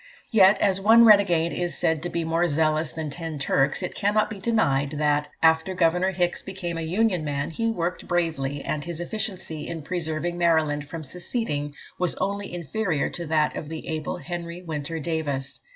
Yet as one renegade is said to be more zealous than ten Turks, it cannot be denied that, after Governor Hicks became a Union man, he worked bravely, and his efficiency in preserving Maryland from seceding was only inferior to that of the able Henry Winter Davis.